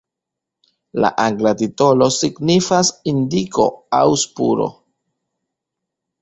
La angla titolo signifas "indiko" aŭ "spuro".